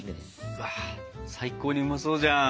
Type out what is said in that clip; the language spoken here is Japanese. うわ最高にうまそうじゃん！